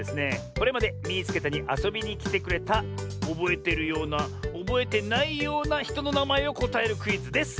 これまで「みいつけた！」にあそびにきてくれたおぼえてるようなおぼえてないようなひとのなまえをこたえるクイズです！